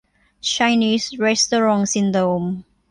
ไชนีสเรสทัวรองซินโดรม